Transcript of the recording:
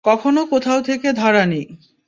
কখনও কোথাও থেকে ধার আনি।